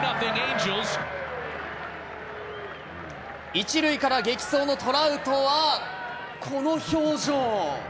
１塁から激走のトラウトはこの表情。